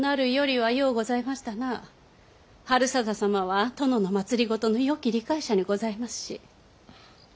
治済様は殿の政のよき理解者にございますし。